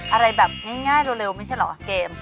อะไรแบบง่ายเร็วไม่ใช่เหรอเกม